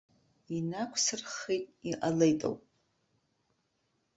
Инақәсырххит, иҟалеит ауп!